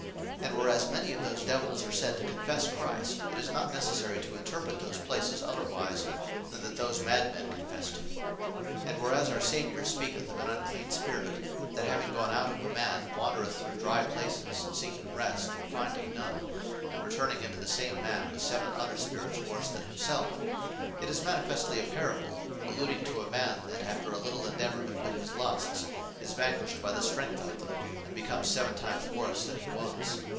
And whereas many of these Divels are said to confesse Christ; it is not necessary to interpret those places otherwise, than that those mad men confessed him. And whereas our Saviour (Math. 12. 43.) speaketh of an unclean Spirit, that having gone out of a man, wandreth through dry places, seeking rest, and finding none; and returning into the same man, with seven other spirits worse than himselfe; It is manifestly a Parable, alluding to a man, that after a little endeavour to quit his lusts, is vanquished by the strength of them; and becomes seven times worse than he was.